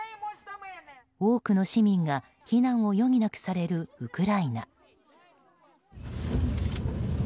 多くの市民が避難を余儀なくされるウクライナ。